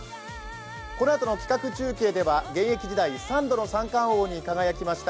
このあとの企画中継では現役時代３度の三冠王に輝きました